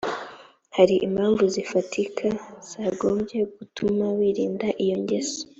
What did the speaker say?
hari impamvu zifatika zagombye gutuma wirinda iyo ngeso